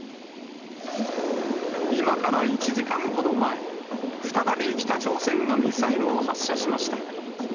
今から１時間ほど前、再び北朝鮮がミサイルを発射しました。